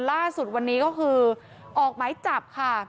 ล่าสุดวันนี้ก็คือออกหมายจับค่ะ